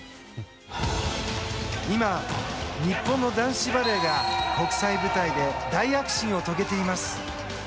今、日本の男子バレーが国際舞台で大躍進を遂げています。